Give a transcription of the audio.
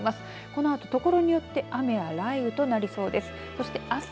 このあと、所によって雨や雷雨となりそうです。